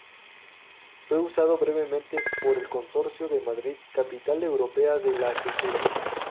Fue usado brevemente por el Consorcio de Madrid, Capital Europea de la Cultura.